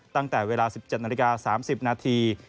ตั้งแต่เวลา๑๗นาฬิกา๓๐นาที